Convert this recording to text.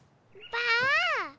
ばあ！